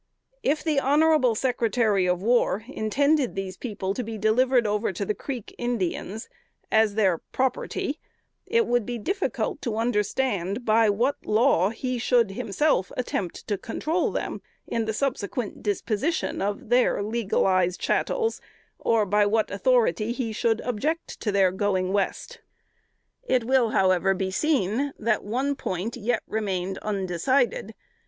If the honorable Secretary of War intended these people should be delivered over to the Creek Indians as their property, it would be difficult to understand by what law he should himself attempt to control them, in the subsequent disposition of their legalized chattels, or by what authority he should object to their going West. It will however be seen that one point yet remained undecided.